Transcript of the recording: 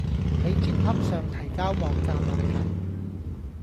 喺 GitHub 上提交網站問題